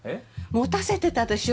持たせてたでしょ。